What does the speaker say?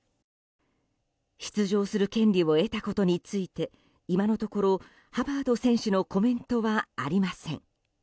出場する権利を得たことについて今のところ、ハバード選手のコメントはありません。